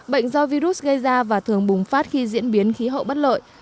bệnh do virus gây ra và thường bùng phát khi diễn biến khí hậu bất lợi